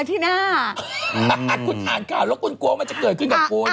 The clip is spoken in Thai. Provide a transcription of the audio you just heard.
ที่หน้าคุณอ่านข่าวแล้วคุณกลัวมันจะเกิดขึ้นกับคุณ